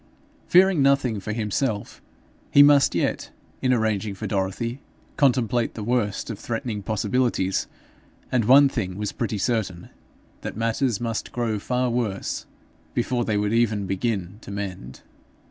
Fearing nothing for himself, he must yet, in arranging for Dorothy, contemplate the worst of threatening possibilities; and one thing was pretty certain, that matters must grow far worse before they could even begin to mend.